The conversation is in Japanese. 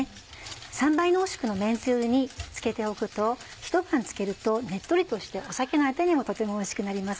３倍濃縮の麺つゆに漬けておくとひと晩漬けるとねっとりとして酒のあてにもとてもおいしくなります。